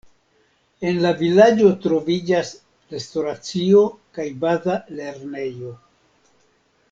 En la vilaĝo troviĝas restoracio kaj baza lernejo.